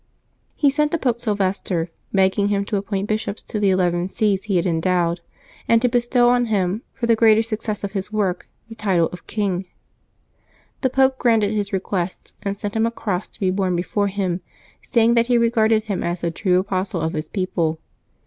He sent to Pope Sylvester, begging him to appoint bishops to the eleven sees he had endowed, and to bestow on him, for the greater success of his work, the title of king. The Pope granted his requests, and sent him a cross to be borne before him, saying that he regarded him as the true apostle of his people.